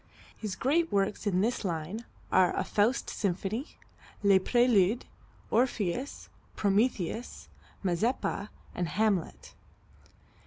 His great works in this line are a "Faust Symphony," "Les Préludes," "Orpheus," "Prometheus," "Mazeppa" and "Hamlet."